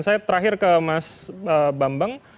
saya terakhir ke mas bambang